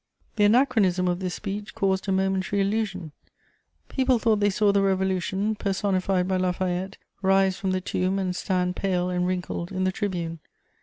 The anachronism of this speech caused a momentary illusion; people thought they saw the Revolution, personified by La Fayette, rise from the tomb and stand pale and wrinkled in the tribune.